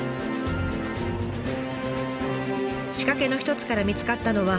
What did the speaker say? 仕掛けの一つから見つかったのは。